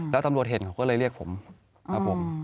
แล้วตำรวจเห็นเขาก็เลยเรียกผมครับผม